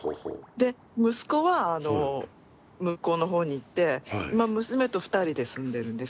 で息子は向こうの方に行って今娘と２人で住んでるんです。